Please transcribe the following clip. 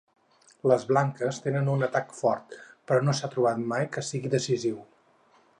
Les blanques tenen un atac fort, però no s'ha provat que sigui decisiu.